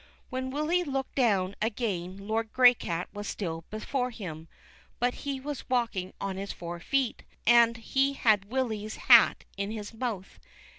When Willy looked down again Lord Graycat was still before him, but he was walking on his four feet, and he had Willy's hat in his mouth.